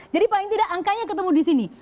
jadi paling tidak angkanya ketemu disini